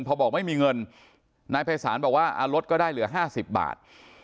พอบอกไม่มีเงินนายภัยศาลบอกว่าลดก็ได้เหลือ๕๐บาท